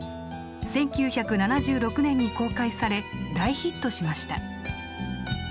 １９７６年に公開され大ヒットしました